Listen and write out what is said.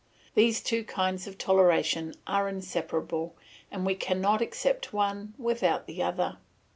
These two kinds of toleration are inseparable, and we cannot accept one without the other.